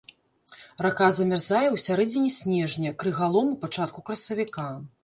Рака замярзае ў сярэдзіне снежня, крыгалом у пачатку красавіка.